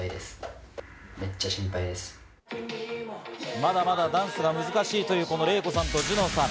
まだまだダンスが難しいというレイコさんとジュノンさん。